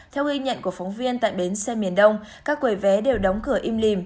theo ghi nhận của phóng viên tại bến xe miền đông các quầy vé đều đóng cửa im lìm